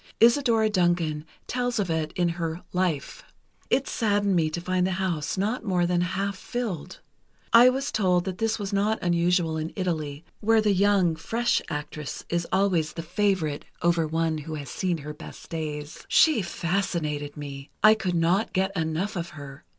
Isadora Duncan tells of it in her 'Life.' It saddened me to find the house not more than half filled. I was told that this was not unusual in Italy, where the young, fresh actress is always the favorite over one who has seen her best days. She fascinated me. I could not get enough of her.